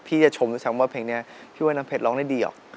จะชมด้วยซ้ำว่าเพลงนี้พี่ว่าน้ำเพชรร้องได้ดีหรอก